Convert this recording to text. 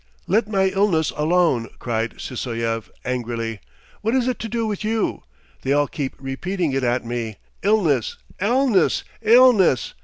"Let my illness alone!" cried Sysoev, angrily. "What is it to do with you? They all keep repeating it at me: illness! illness! illness!